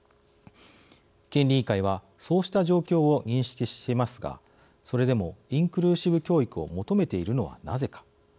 権利委員会はそうした状況を認識していますがそれでもインクルーシブ教育を求めているのはなぜか。